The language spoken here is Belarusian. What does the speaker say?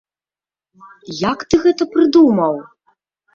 Як ты гэта прыдумаў?